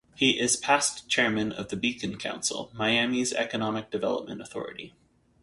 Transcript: He is past chairman of the Beacon Council, Miami's economic development authority.